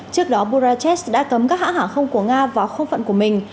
trước đó burachev đã cấm các hãng hãng không của nga vào không phận của mình